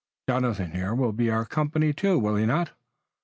Jonathan, here, will be of our company, too, will he not?"